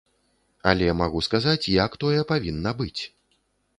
Але магу сказаць, як тое павінна быць.